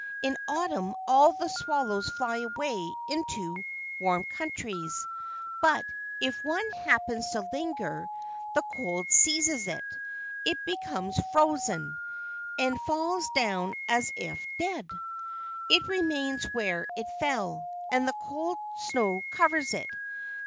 In Autumn all the swallows fly away into warm countries, but if one happens to linger, the cold seizes it, it becomes frozen, and falls down as if dead. It remains where it fell, and the cold snow covers it.